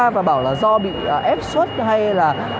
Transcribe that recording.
và bảo là do bị ép xuất hay là